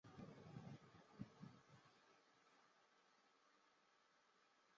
利本弗尔斯是奥地利克恩顿州格兰河畔圣法伊特县的一个市镇。